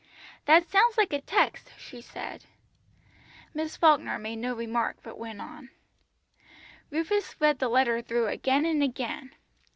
"That sounds like a text," she said. Miss Falkner made no remark, but went on "Rufus read the letter through again and again.